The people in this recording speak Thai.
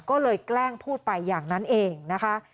ก็เลยแกล้งพูดไปอย่างนั้นเองนะคะ